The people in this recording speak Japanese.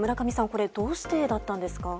これ、どうしてだったんですか？